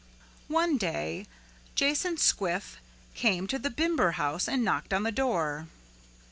One day Jason Squiff came to the Bimber house and knocked on the door.